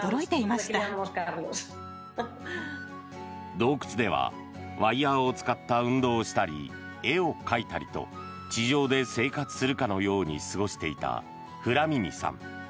洞窟ではワイヤを使った運動をしたり絵を描いたりと地上で生活するかのように過ごしていたフラミニさん。